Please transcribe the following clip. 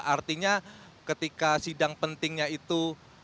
artinya ketika sidang pentingnya itu